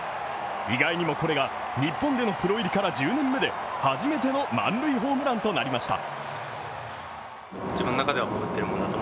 意外にもこれが日本でのプロ入りから１０年目で初めての満塁ホームランとなりました。